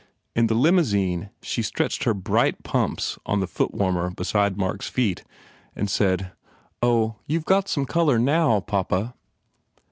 In the limousine she stretched her bright pumps on the footwarmer beside Mark s feet and said, "Oh, you ve some colour, now, papa